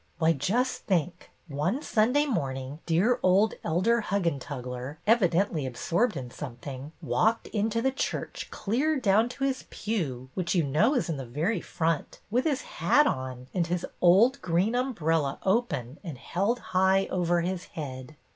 "Why, just think! One Sunday morning dear old Elder Huggentugler, evidently ab sorbed in something, walked into the church clear down to his pew, which you know is in the very front, with his hat on, and his old green umbrella open and held high over his head.